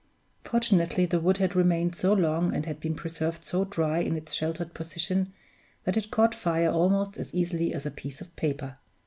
Fortunately the wood had remained so long and had been preserved so dry in its sheltered position, that it caught fire almost as easily as a piece of paper.